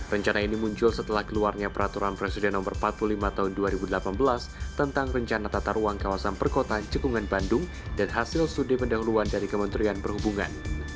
rencana ini muncul setelah keluarnya peraturan presiden no empat puluh lima tahun dua ribu delapan belas tentang rencana tata ruang kawasan perkotaan cekungan bandung dan hasil studi pendahuluan dari kementerian perhubungan